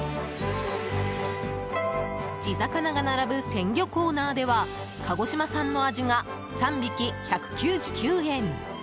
地魚が並ぶ鮮魚コーナーでは鹿児島産のアジが３匹１９９円！